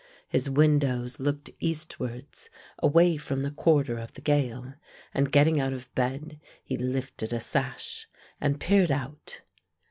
His windows looked eastwards away from the quarter of the gale, and getting out of bed, he lifted a sash, and peered out.